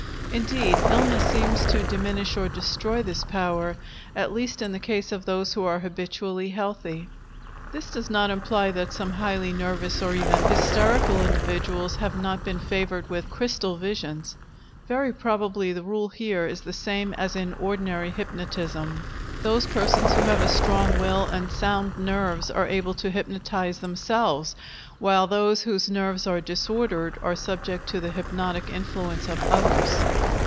Indeed, illness seems to diminish or destroy this power, at least in the case of those who are habitually healthy. This does not imply that some highly nervous and even hysterical individuals have not been favored with "crystal visions." Very probably the rule here is the same as in ordinary hypnotism. Those persons who have a strong will and sound nerves are able to hypnotize themselves, while those whose nerves are disordered are subject to the hypnotic influence of others.